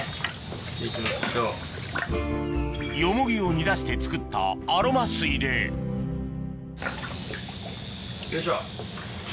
ヨモギを煮出して作ったアロマ水でよいしょ。